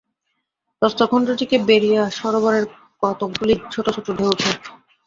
প্রস্তরখণ্ডটিকে বেড়িয়া সরোবরের কতকগুলি ছোট ছোট ঢেউ ওঠে।